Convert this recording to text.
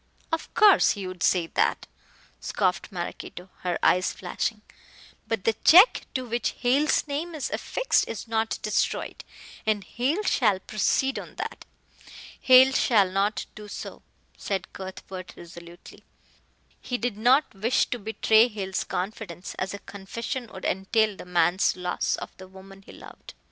"Of course he would say that," scoffed Maraquito, her eyes flashing, "but the check to which Hale's name is affixed is not destroyed, and Hale shall proceed on that." "Hale shall not do so," said Cuthbert resolutely. He did not wish to betray Hale's confidence, as a confession would entail the man's loss of the woman he loved.